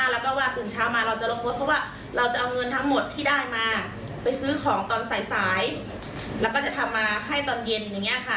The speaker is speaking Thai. และก็จะทำมาให้ตอนเย็นอย่างนี้ค่ะ